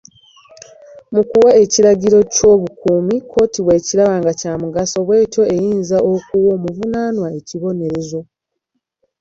Mu kuwa ekiragiro ky'obukuumi, kkooti bw'ekiraba nga kya mugaso ,bwetyo eyinza okuwa omuvunaanwa ekibonerezo.